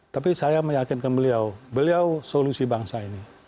tapi saya meyakinkan beliau beliau solusi bangsa ini